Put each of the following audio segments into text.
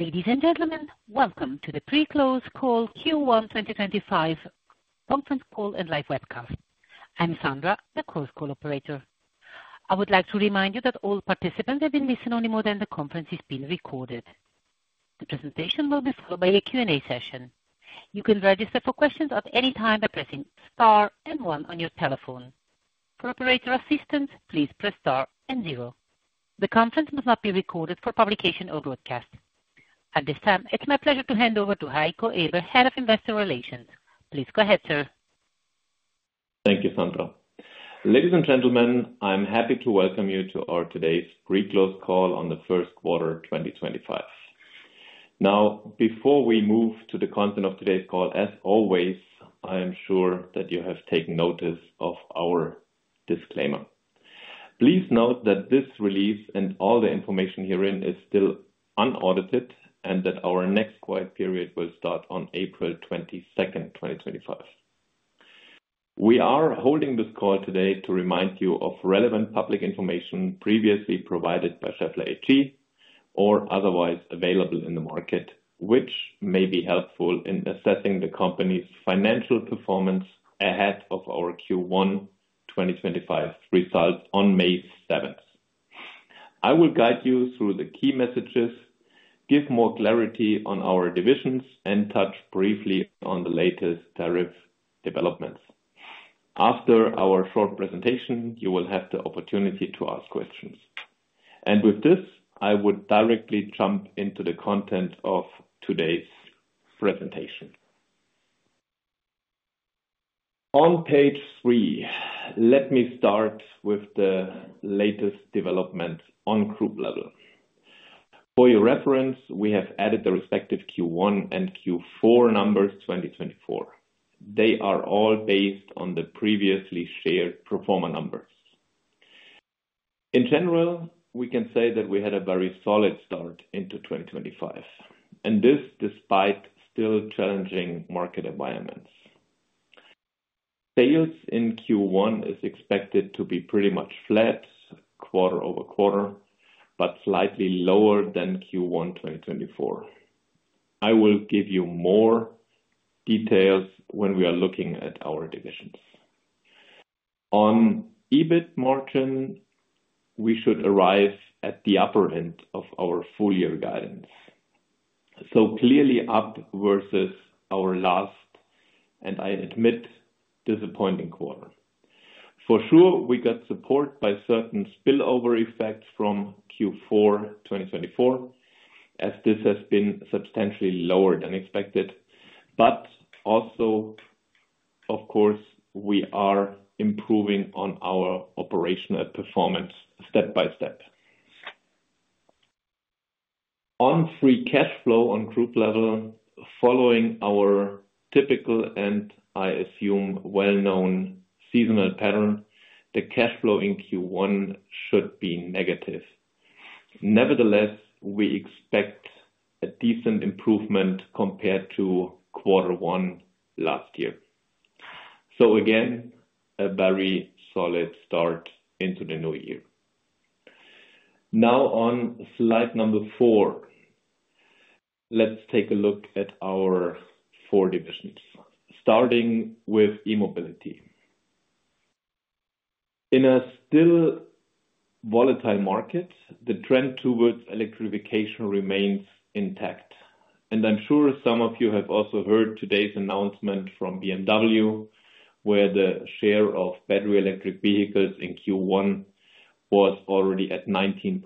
Ladies and gentlemen, welcome to the Pre-Close Call, Q1 2025 Conference Call and Live Webcast. I'm Sandra, the Chorus Call operator. I would like to remind you that all participants have been listen-only mode, and the conference is being recorded. The presentation will be followed by a Q&A session. You can register for questions at any time by pressing star and one on your telephone. For operator assistance, please press star and zero. The conference must not be recorded for publication or broadcast. At this time, it's my pleasure to hand over to Heiko Eber, Head of Investor Relations. Please go ahead, sir. Thank you, Sandra. Ladies and gentlemen, I'm happy to welcome you to our today's Pre-Close Call on the first quarter 2025. Now, before we move to the content of today's call, as always, I am sure that you have taken notice of our disclaimer. Please note that this release and all the information herein is still unaudited and that our next quiet period will start on April 22nd, 2025. We are holding this call today to remind you of relevant public information previously provided by Schaeffler AG or otherwise available in the market, which may be helpful in assessing the company's financial performance ahead of our Q1 2025 results on May 7th. I will guide you through the key messages, give more clarity on our divisions, and touch briefly on the latest tariff developments. After our short presentation, you will have the opportunity to ask questions. With this, I would directly jump into the content of today's presentation. On page three, let me start with the latest development on group level. For your reference, we have added the respective Q1 and Q4 numbers 2024. They are all based on the previously shared pro forma numbers. In general, we can say that we had a very solid start into 2025, and this despite still challenging market environments. Sales in Q1 are expected to be pretty much flat quarter over quarter, but slightly lower than Q1 2024. I will give you more details when we are looking at our divisions. On EBIT margin, we should arrive at the upper end of our full year guidance. Clearly up versus our last, and I admit, disappointing quarter. For sure, we got support by certain spillover effects from Q4 2024, as this has been substantially lower than expected. But also, of course, we are improving on our operational performance step by step. On free cash flow on group level, following our typical and, I assume, well-known seasonal pattern, the cash flow in Q1 should be negative. Nevertheless, we expect a decent improvement compared to quarter one last year. Again, a very solid start into the new year. Now, on slide number four, let's take a look at our four divisions, starting with E-Mobility. In a still volatile market, the trend towards electrification remains intact. I'm sure some of you have also heard today's announcement from BMW, where the share of battery electric vehicles in Q1 was already at 19%.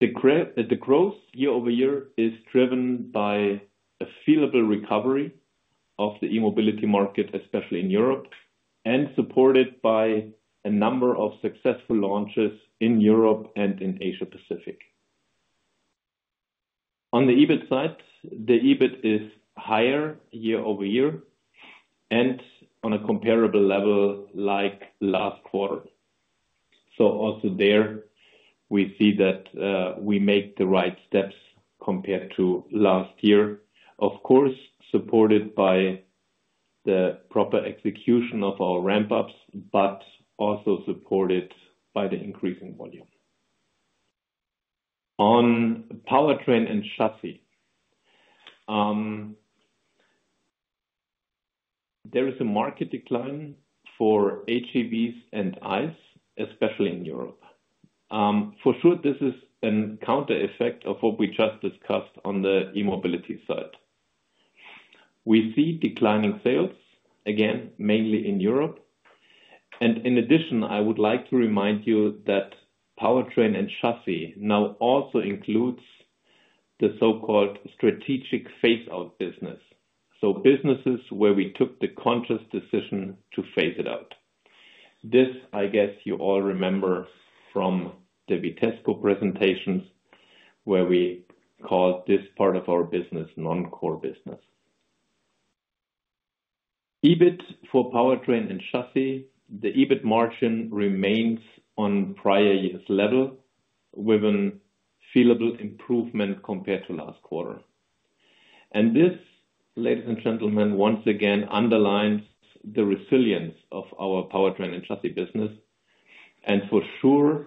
The growth year-over-year is driven by a feasible recovery of the E-Mobility market, especially in Europe, and supported by a number of successful launches in Europe and in Asia-Pacific. On the EBIT side, the EBIT is higher year over year and on a comparable level like last quarter. We see that we make the right steps compared to last year, of course, supported by the proper execution of our ramp-ups, but also supported by the increasing volume. On Powertrain & Chassis, there is a market decline for HEVs and ICE, especially in Europe. For sure, this is a counter effect of what we just discussed on the E-Mobility side. We see declining sales, again, mainly in Europe. In addition, I would like to remind you that Powertrain & Chassis now also includes the so-called strategic phase-out business, so businesses where we took the conscious decision to phase it out. This, I guess you all remember from the Vitesco presentations where we called this part of our business non-core business. EBIT for Powertrain & Chassis, the EBIT margin remains on prior year's level with a feasible improvement compared to last quarter. This, ladies and gentlemen, once again underlines the resilience of our Powertrain & Chassis business and for sure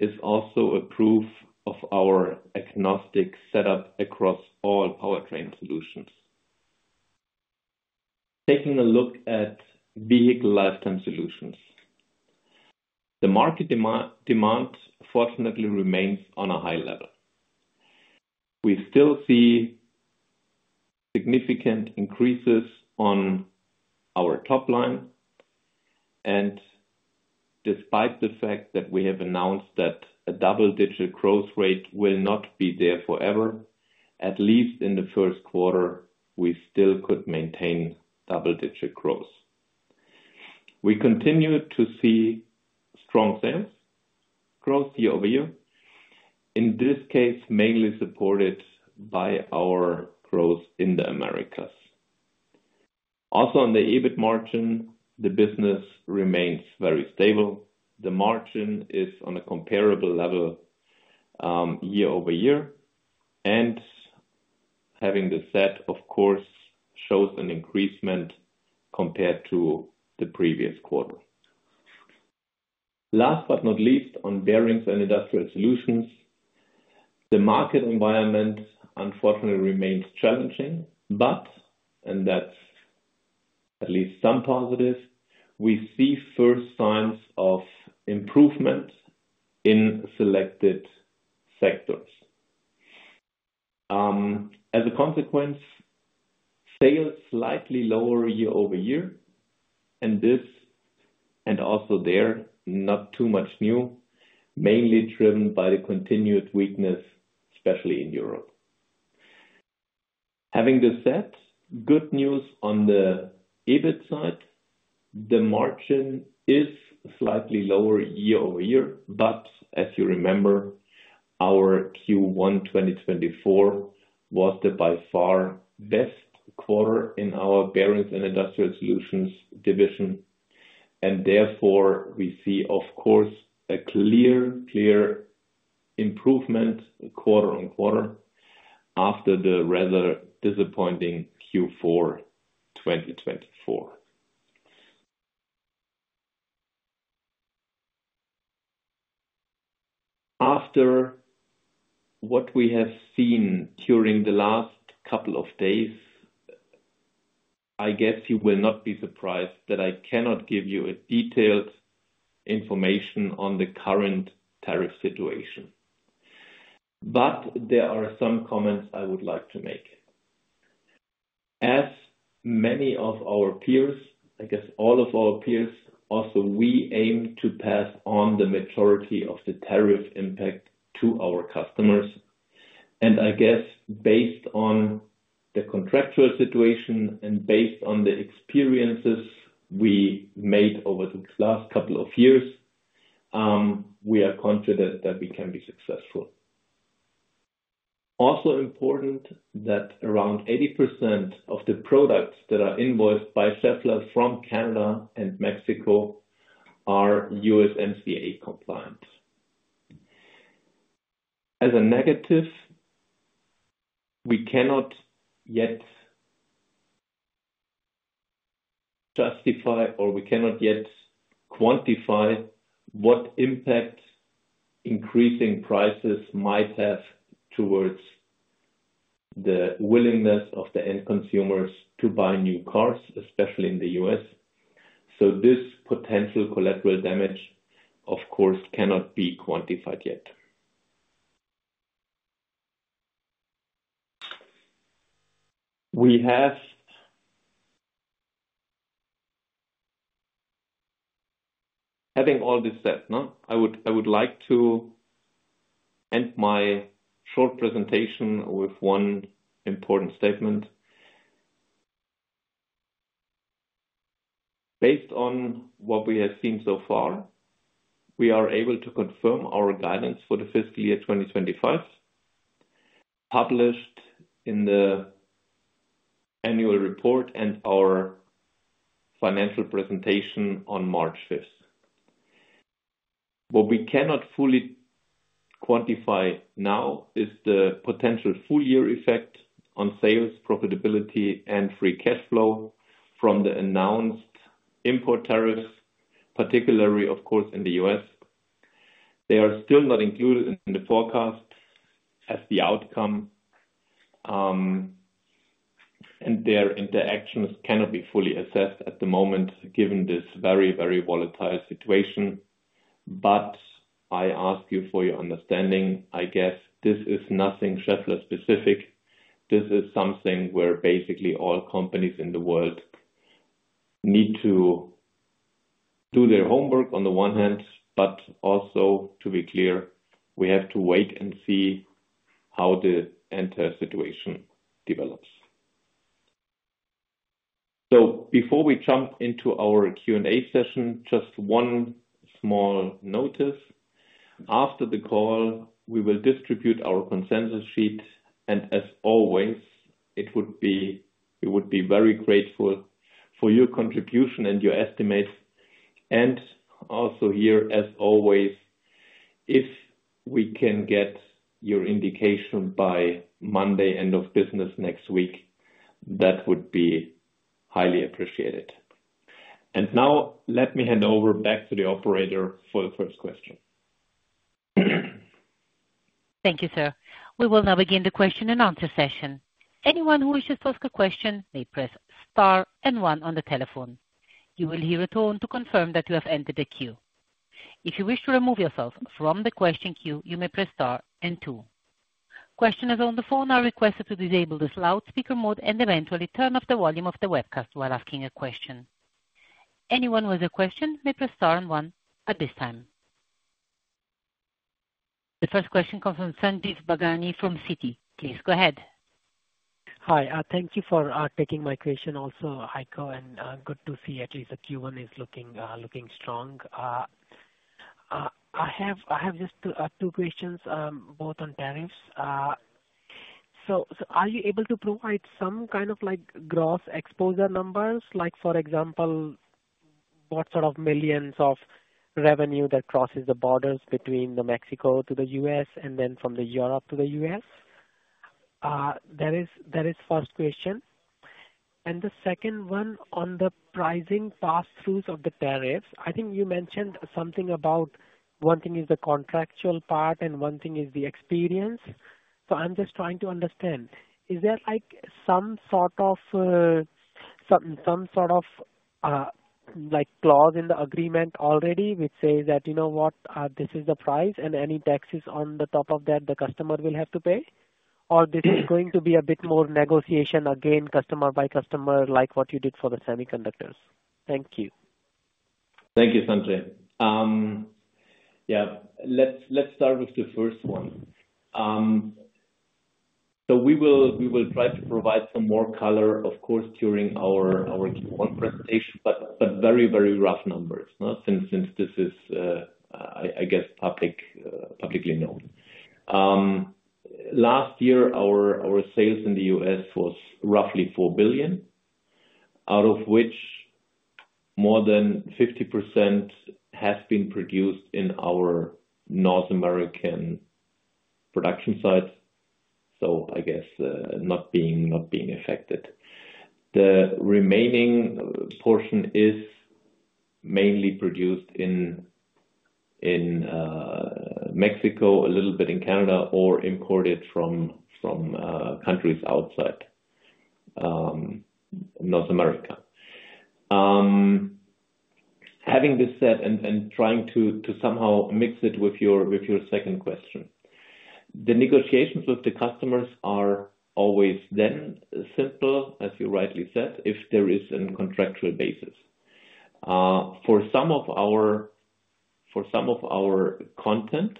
is also a proof of our agnostic setup across all powertrain solutions. Taking a look at Vehicle Lifetime Solutions, the market demand, fortunately, remains on a high level. We still see significant increases on our top line. Despite the fact that we have announced that a double-digit growth rate will not be there forever, at least in the first quarter, we still could maintain double-digit growth. We continue to see strong sales growth year-over-year, in this case mainly supported by our growth in the Americas. Also, on the EBIT margin, the business remains very stable. The margin is on a comparable level year-over-year. Having this said, of course, shows an increasement compared to the previous quarter. Last but not least, on Bearings & Industrial Solutions, the market environment, unfortunately, remains challenging. That is at least some positives, we see first signs of improvement in selected sectors. As a consequence, sales slightly lower year-over-year. This, and also there, not too much new, mainly driven by the continued weakness, especially in Europe. Having this said, good news on the EBIT side, the margin is slightly lower year-over-year. As you remember, our Q1 2024 was the by far best quarter in our Bearings & Industrial Solutions division. Therefore, we see, of course, a clear, clear improvement quarter-on-quarter after the rather disappointing Q4 2024. After what we have seen during the last couple of days, I guess you will not be surprised that I cannot give you detailed information on the current tariff situation. There are some comments I would like to make. As many of our peers, I guess all of our peers, also we aim to pass on the majority of the tariff impact to our customers. I guess based on the contractual situation and based on the experiences we made over the last couple of years, we are confident that we can be successful. Also important that around 80% of the products that are invoiced by Schaeffler from Canada and Mexico are USMCA compliant. As a negative, we cannot yet justify or we cannot yet quantify what impact increasing prices might have towards the willingness of the end consumers to buy new cars, especially in the U.S. This potential collateral damage, of course, cannot be quantified yet. Having all this said, I would like to end my short presentation with one important statement. Based on what we have seen so far, we are able to confirm our guidance for the fiscal year 2025, published in the Annual Report and our financial presentation on March 5th. What we cannot fully quantify now is the potential full-year effect on sales, profitability, and free cash flow from the announced import tariffs, particularly, of course, in the U.S. They are still not included in the forecast as the outcome, and their interactions cannot be fully assessed at the moment given this very, very volatile situation. I ask you for your understanding, I guess this is nothing Schaeffler-specific. This is something where basically all companies in the world need to do their homework on the one hand, but also, to be clear, we have to wait and see how the entire situation develops. Before we jump into our Q&A session, just one small notice. After the call, we will distribute our consensus sheet. As always, we would be very grateful for your contribution and your estimates. Also here, as always, if we can get your indication by Monday, end of business next week, that would be highly appreciated. Now, let me hand over back to the operator for the first question. Thank you, sir. We will now begin the question and answer session. Anyone who wishes to ask a question may press star and one on the telephone. You will hear a tone to confirm that you have entered the queue. If you wish to remove yourself from the question queue, you may press star and two. Questioners on the phone are requested to disable the loudspeaker mode and eventually turn off the volume of the webcast while asking a question. Anyone with a question may press star and one at this time. The first question comes from Sanjay Bhagwani from Citi. Please go ahead. Hi. Thank you for taking my question also, Heiko, and good to see at least the Q1 is looking strong. I have just two questions, both on tariffs. Are you able to provide some kind of gross exposure numbers, like for example, what sort of millions of revenue that crosses the borders between Mexico to the U.S. and then from Europe to the U.S.? That is first question. The second one on the pricing pass-throughs of the tariffs, I think you mentioned something about one thing is the contractual part and one thing is the experience. I am just trying to understand. Is there some sort of clause in the agreement already which says that, you know what, this is the price and any taxes on the top of that the customer will have to pay? Is this going to be a bit more negotiation again, customer by customer, like what you did for the semiconductors? Thank you. Thank you, Sanjay. Yeah, let's start with the first one. We will try to provide some more color, of course, during our Q1 presentation, but very, very rough numbers since this is, I guess, publicly known. Last year, our sales in the U.S. was roughly $4 billion, out of which more than 50% has been produced in our North American production sites. I guess not being affected. The remaining portion is mainly produced in Mexico, a little bit in Canada, or imported from countries outside North America. Having this said and trying to somehow mix it with your second question, the negotiations with the customers are always then simple, as you rightly said, if there is a contractual basis. For some of our content,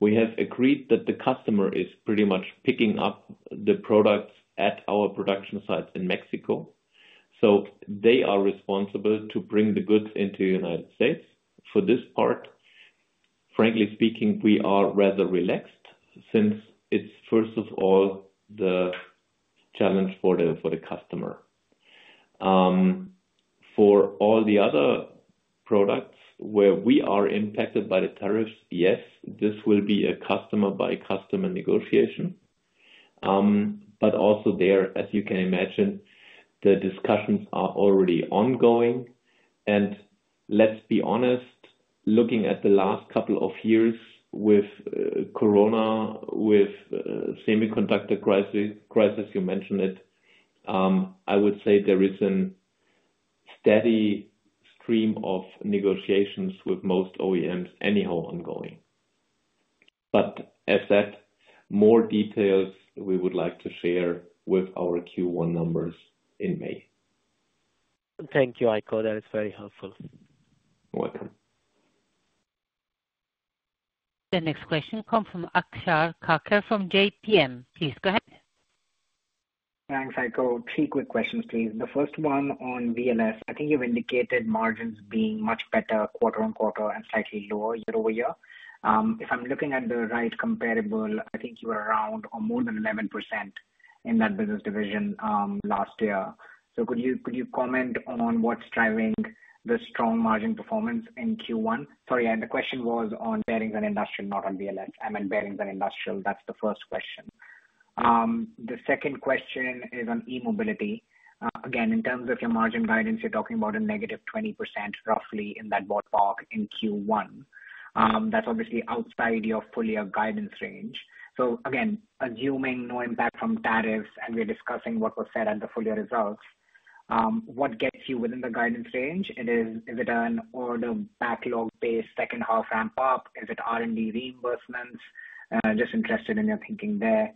we have agreed that the customer is pretty much picking up the products at our production sites in Mexico. They are responsible to bring the goods into the United States. For this part, frankly speaking, we are rather relaxed since it's first of all the challenge for the customer. For all the other products where we are impacted by the tariffs, yes, this will be a customer-by-customer negotiation. Also there, as you can imagine, the discussions are already ongoing. Let's be honest, looking at the last couple of years with Corona, with semiconductor crisis, you mentioned it, I would say there is a steady stream of negotiations with most OEMs anyhow ongoing. As said, more details we would like to share with our Q1 numbers in May. Thank you, Heiko. That is very helpful. You're welcome. The next question comes from Akshat Kacker from J.P. Morgan. Please go ahead. Thanks, Heiko. Three quick questions, please. The first one on VLS. I think you've indicated margins being much better quarter-on-quarter and slightly lower year-over-year. If I'm looking at the right comparable, I think you were around or more than 11% in that business division last year. Could you comment on what's driving the strong margin performance in Q1? Sorry, the question was on Bearings & Industrial Solutions, not on VLS. I meant Bearings & Industrial Solutions. That's the first question. The second question is on E-Mobility. Again, in terms of your margin guidance, you're talking about a negative 20% roughly in that ballpark in Q1. That's obviously outside your full-year guidance range. Again, assuming no impact from tariffs and we're discussing what was said at the full-year results, what gets you within the guidance range? Is it an order backlog-based second-half ramp-up? Is it R&D reimbursements? Just interested in your thinking there.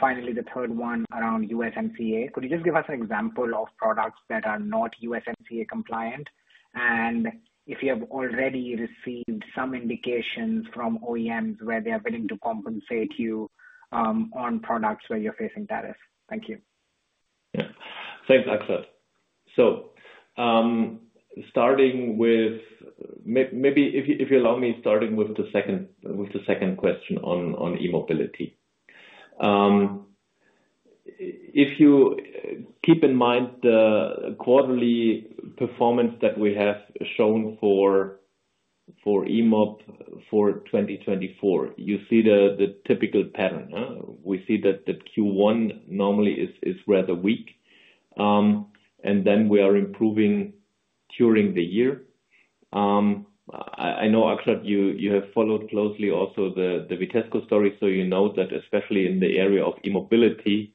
Finally, the third one around USMCA. Could you just give us an example of products that are not USMCA compliant? If you have already received some indications from OEMs where they are willing to compensate you on products where you're facing tariffs? Thank you. Yeah. Thanks, Akshat. Starting with maybe if you allow me starting with the second question on E-Mobility. If you keep in mind the quarterly performance that we have shown for E-Mob for 2024, you see the typical pattern. We see that Q1 normally is rather weak. We are improving during the year. I know, Akshat, you have followed closely also the Vitesco story, so you know that especially in the area of E-Mobility,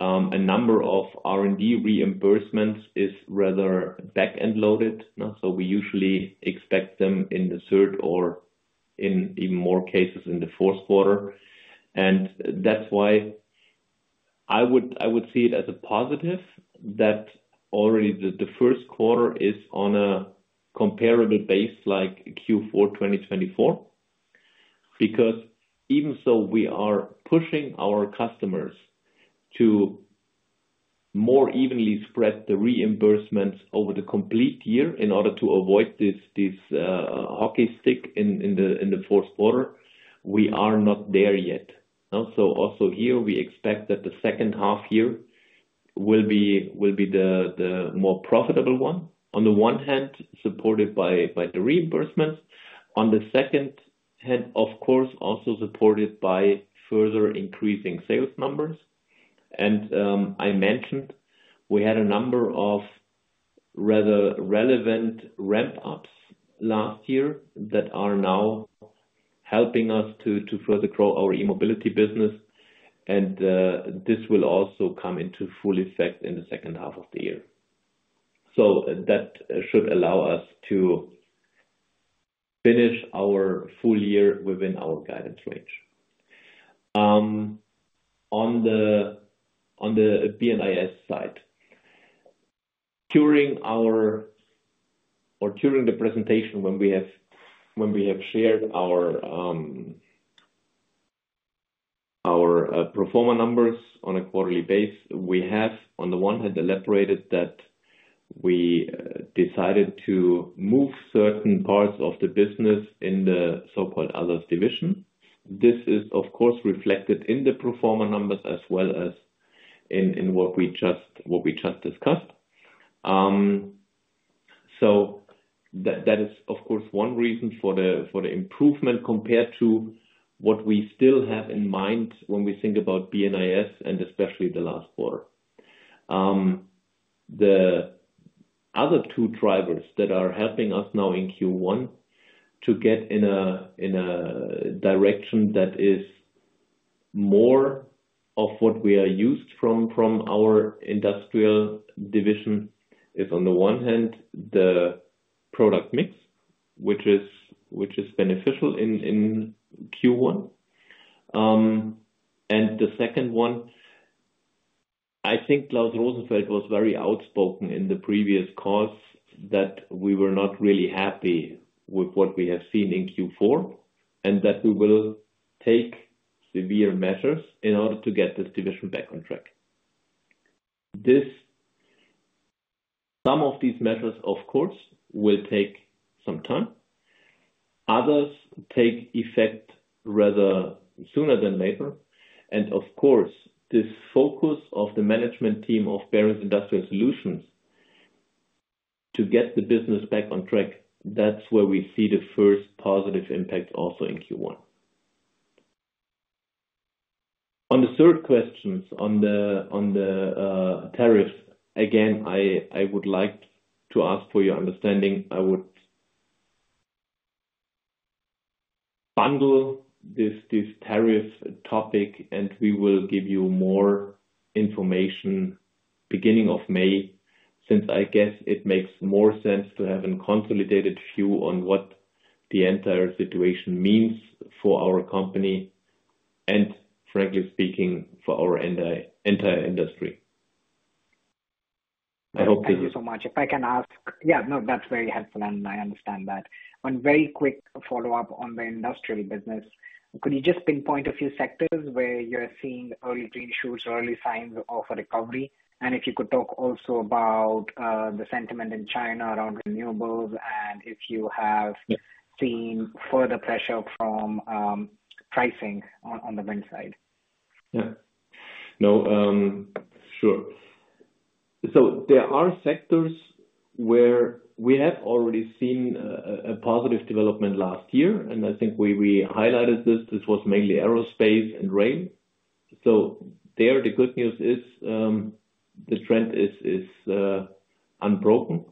a number of R&D reimbursements is rather back-end loaded. We usually expect them in the third or in even more cases in the fourth quarter. That is why I would see it as a positive that already the first quarter is on a comparable base like Q4 2024. Because even though we are pushing our customers to more evenly spread the reimbursements over the complete year in order to avoid this hockey stick in the fourth quarter, we are not there yet. Also here, we expect that the second half year will be the more profitable one, on the one hand, supported by the reimbursements. On the second hand, of course, also supported by further increasing sales numbers. I mentioned we had a number of rather relevant ramp-ups last year that are now helping us to further grow our E-Mobility business. This will also come into full effect in the second half of the year. That should allow us to finish our full-year within our guidance range. On the B&IS side, during the presentation when we have shared our pro forma numbers on a quarterly base, we have, on the one hand, elaborated that we decided to move certain parts of the business in the so-called "Others" division. This is, of course, reflected in the pro forma numbers as well as in what we just discussed. That is, of course, one reason for the improvement compared to what we still have in mind when we think about B&IS and especially the last quarter. The other two drivers that are helping us now in Q1 to get in a direction that is more of what we are used from our industrial division is, on the one hand, the product mix, which is beneficial in Q1. The second one, I think Klaus Rosenfeld was very outspoken in the previous calls that we were not really happy with what we have seen in Q4 and that we will take severe measures in order to get this division back on track. Some of these measures, of course, will take some time. Others take effect rather sooner than later. Of course, this focus of the management team of Bearings & Industrial Solutions to get the business back on track, that's where we see the first positive impact also in Q1. On the third question on the tariffs, again, I would like to ask for your understanding. I would bundle this tariff topic, and we will give you more information beginning of May since I guess it makes more sense to have a consolidated view on what the entire situation means for our company and, frankly speaking, for our entire industry. I hope this is. Thank you so much. If I can ask, yeah, no, that's very helpful, and I understand that. One very quick follow-up on the industrial business. Could you just pinpoint a few sectors where you're seeing early green shoots, early signs of a recovery? If you could talk also about the sentiment in China around renewables and if you have seen further pressure from pricing on the wind side. Yeah. No, sure. There are sectors where we have already seen a positive development last year. I think we highlighted this. This was mainly aerospace and rail. The good news is the trend is unbroken.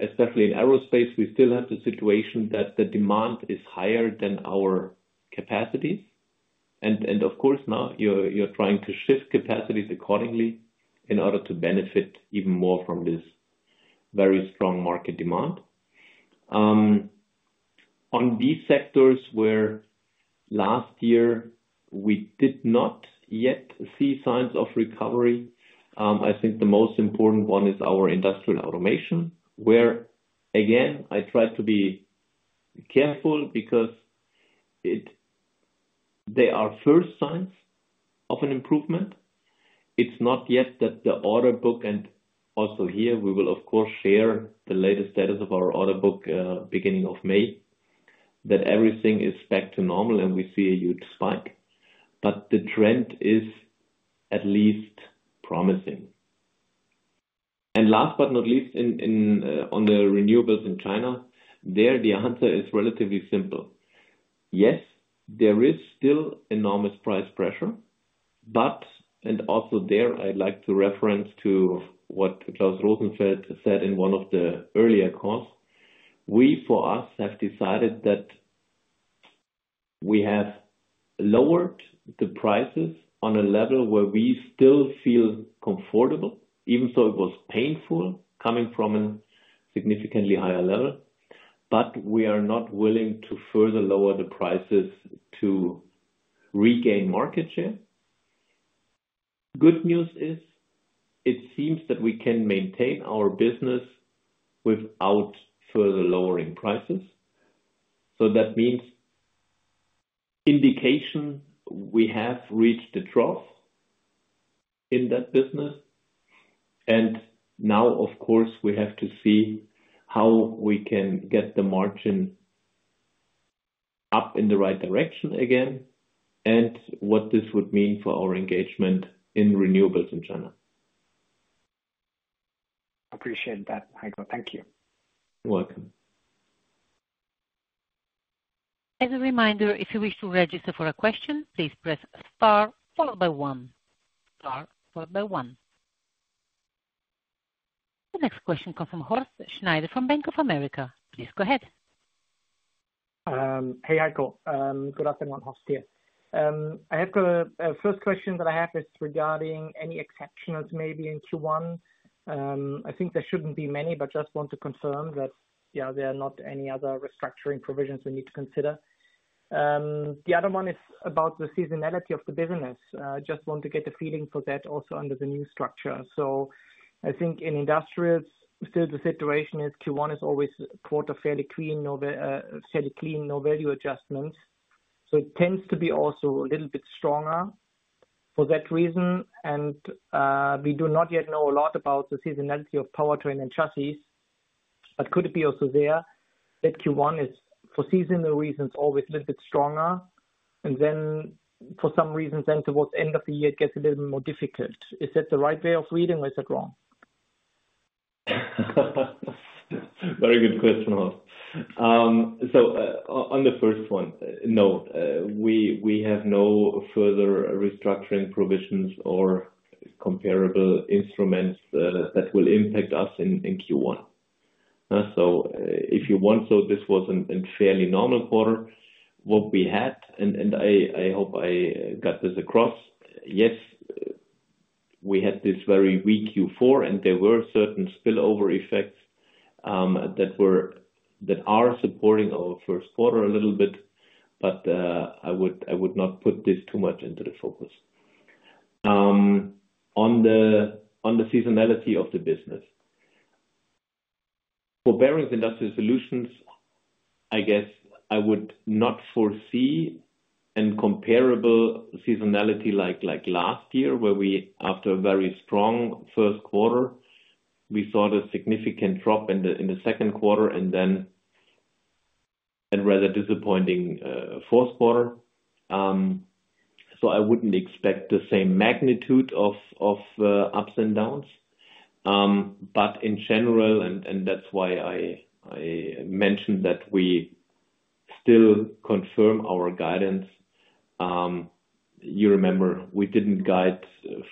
Especially in aerospace, we still have the situation that the demand is higher than our capacities. Of course, now you're trying to shift capacities accordingly in order to benefit even more from this very strong market demand. On these sectors where last year we did not yet see signs of recovery, I think the most important one is our industrial automation, where, again, I tried to be careful because there are first signs of an improvement. It's not yet that the order book and also here, we will, of course, share the latest status of our order book beginning of May, that everything is back to normal and we see a huge spike. The trend is at least promising. Last but not least, on the renewables in China, there, the answer is relatively simple. Yes, there is still enormous price pressure. Also there, I'd like to reference what Klaus Rosenfeld said in one of the earlier calls, we, for us, have decided that we have lowered the prices on a level where we still feel comfortable, even though it was painful coming from a significantly higher level. We are not willing to further lower the prices to regain market share. Good news is it seems that we can maintain our business without further lowering prices. That means indication we have reached the trough in that business. Now, of course, we have to see how we can get the margin up in the right direction again and what this would mean for our engagement in renewables in China. Appreciate that, Heiko. Thank you. You're welcome. As a reminder, if you wish to register for a question, please press star followed by one. Star followed by one. The next question comes from Horst Schneider from Bank of America. Please go ahead. Hey, Heiko. Good afternoon, Horst here. I have a first question that I have is regarding any exceptions maybe in Q1. I think there should not be many, but just want to confirm that there are not any other restructuring provisions we need to consider. The other one is about the seasonality of the business. I just want to get a feeling for that also under the new structure. I think in industrials, still the situation is Q1 is always a quarter fairly clean, no value adjustments. It tends to be also a little bit stronger for that reason. We do not yet know a lot about the seasonality of Powertrain & Chassis. Could it be also there that Q1 is, for seasonal reasons, always a little bit stronger? For some reason, then towards the end of the year, it gets a little more difficult. Is that the right way of reading or is that wrong? Very good question, Horst. On the first one, no. We have no further restructuring provisions or comparable instruments that will impact us in Q1. If you want, this was a fairly normal quarter. What we had, and I hope I got this across, yes, we had this very weak Q4, and there were certain spillover effects that are supporting our first quarter a little bit. I would not put this too much into the focus. On the seasonality of the business, for Bearings & Industrial Solutions, I guess I would not foresee a comparable seasonality like last year, where we, after a very strong first quarter, saw a significant drop in the second quarter and then a rather disappointing fourth quarter. I would not expect the same magnitude of ups and downs. In general, that is why I mentioned that we still confirm our guidance. You remember we did not guide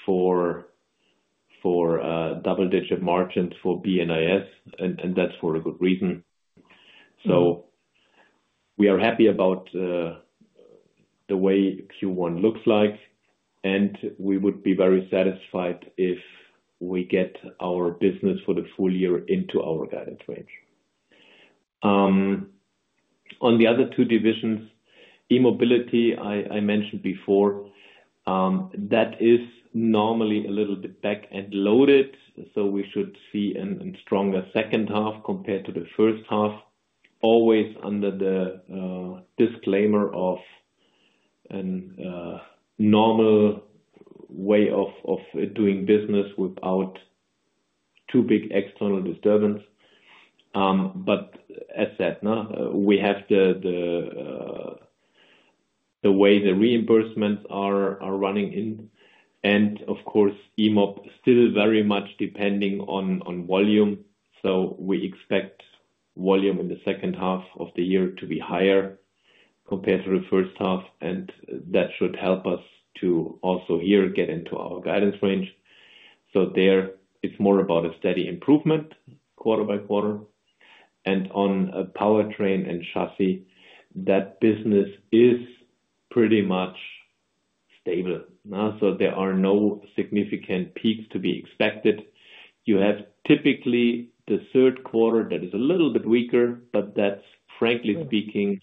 for double-digit margins for B&IS, and that is for a good reason. We are happy about the way Q1 looks like. We would be very satisfied if we get our business for the full year into our guidance range. On the other two divisions, E-Mobility, I mentioned before, that is normally a little bit back-end loaded. We should see a stronger second half compared to the first half, always under the disclaimer of a normal way of doing business without too big external disturbance. As said, we have the way the reimbursements are running in. Of course, E-Mob still very much depending on volume. We expect volume in the second half of the year to be higher compared to the first half. That should help us to also here get into our guidance range. There, it's more about a steady improvement quarter by quarter. On Powertrain & Chassis, that business is pretty much stable. There are no significant peaks to be expected. You have typically the third quarter that is a little bit weaker, but that's, frankly speaking,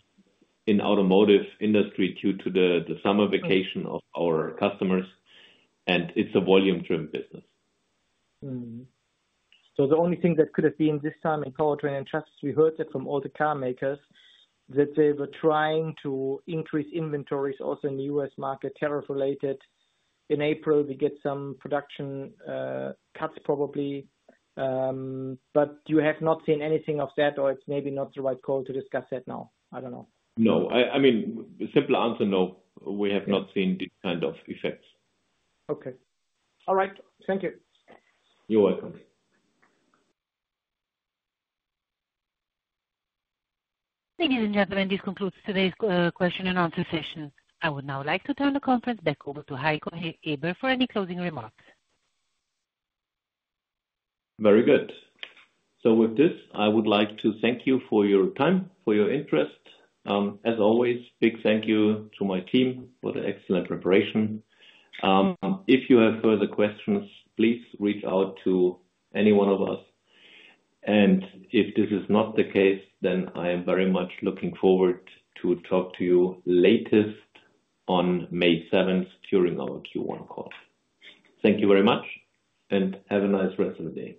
in the automotive industry due to the summer vacation of our customers. It's a volume-driven business. The only thing that could have been this time in Powertrain & Chassis, we heard it from all the car makers, that they were trying to increase inventories also in the U.S. market, tariff-related. In April, we get some production cuts probably. You have not seen anything of that, or it's maybe not the right call to discuss that now? I don't know. No. I mean, simple answer, no. We have not seen these kind of effects. Okay. All right. Thank you. You're welcome. Thank you, gentlemen. This concludes today's question and answer session. I would now like to turn the conference back over to Heiko Eber for any closing remarks. Very good. With this, I would like to thank you for your time, for your interest. As always, big thank you to my team for the excellent preparation. If you have further questions, please reach out to any one of us. If this is not the case, then I am very much looking forward to talk to you latest on May 7th during our Q1 call. Thank you very much, and have a nice rest of the day.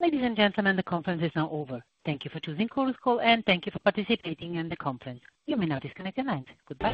Ladies and gentlemen, the conference is now over. Thank you for choosing Chorus Call, and thank you for participating in the conference. You may now disconnect the line. Goodbye.